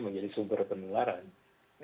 menjadi sumber penularan